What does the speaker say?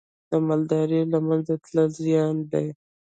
د مالدارۍ له منځه تلل زیان دی.